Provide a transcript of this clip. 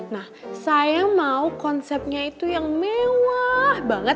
nah saya mau konsepnya itu yang mewah banget